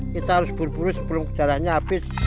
kita harus buru buru sebelum jaraknya habis